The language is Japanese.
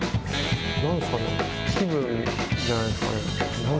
なんすかね、気分じゃないですかね。